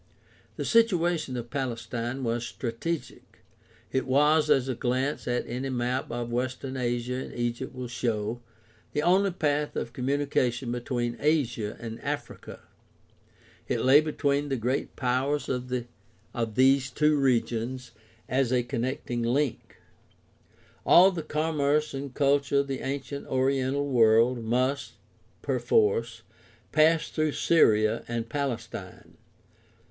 The situation of Palestine was strategic. It was, as a glance at any map of Western Asia and Egypt will show, the only path of com munication between Asia and Africa. It lay between the great powers of these two regions as a connecting link. All the commerce and culture of the ancient oriental world must, perforce, pass through Syria and Palestine.